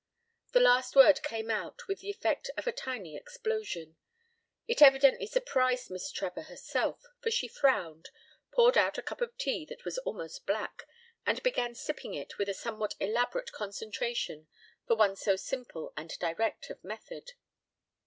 The last word came out with the effect of a tiny explosion. It evidently surprised Miss Trevor herself, for she frowned, poured out a cup of tea that was almost black, and began sipping it with a somewhat elaborate concentration for one so simple and direct of method.